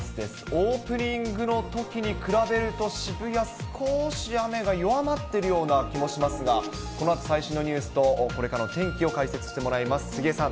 オープニングのときに比べると、渋谷、すこーし雨が弱まっているような気もしますが、このあと最新のニュースとこれからの天気を解説してもらいます。